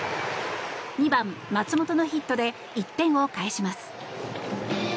２番、松本のヒットで１点を返します。